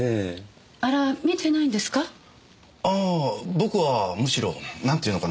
僕はむしろ何て言うのかな。